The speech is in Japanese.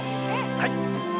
はい。